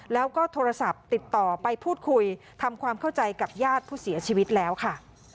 แล้วก็โทรศัพท์ติดต่อไปพูดคุยทำความเข้าใจกับญาติผู้เสียชีวิตแล้วค่ะ